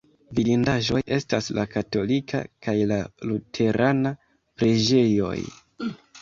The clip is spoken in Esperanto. Vidindaĵoj estas la katolika kaj la luterana preĝejoj.